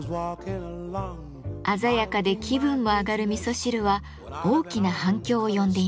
鮮やかで気分も上がる味噌汁は大きな反響を呼んでいます。